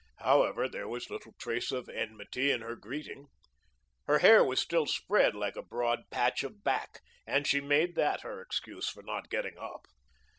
However, there was little trace of enmity in her greeting. Her hair was still spread, like a broad patch of back, and she made that her excuse for not getting up.